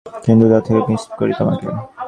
কিন্তু, তার থেকেও বেশি মিস করি তোমাকে।